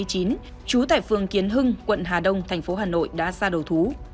trú tại phường kiến hưng quận hà đông thành phố hà nội đã ra đầu thú